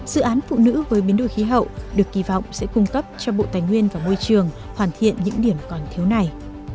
dự án phụ nữ với biến đổi khí hậu được kỳ vọng sẽ cung cấp cho bộ tài nguyên và môi trường hoàn thiện những điểm còn thiếu này